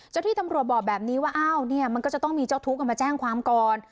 ที่ตำรวจบอกแบบนี้ว่าอ้าวเนี่ยมันก็จะต้องมีเจ้าทุกข์มาแจ้งความก่อน